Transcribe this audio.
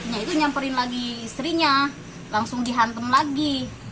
ya itu nyamperin lagi istrinya langsung dihantam lagi